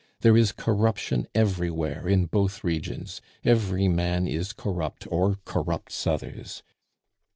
There is corruption everywhere in both regions; every man is corrupt or corrupts others.